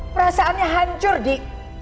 perasaannya hancur di